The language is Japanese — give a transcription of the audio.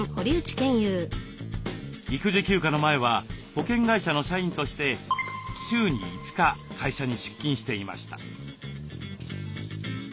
育児休暇の前は保険会社の社員として週に５日会社に出勤していました。